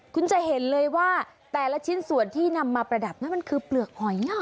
คุณจะเห็นเลยว่าแต่ละชิ้นส่วนที่นำมาประดับนั้นมันคือเปลือกหอย